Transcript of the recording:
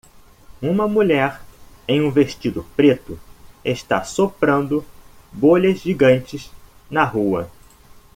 Uma mulher em um vestido preto está soprando bolhas gigantes na rua.